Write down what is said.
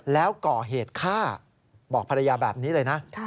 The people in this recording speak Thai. แล้วก่อเหตุฆ่าบอกภรรยาแบบนี้เลยนะ